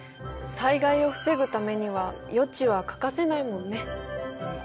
災害を防ぐためには予知は欠かせないもんね。